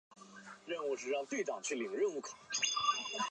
它也介绍和翻译过很多近代世界文学作品。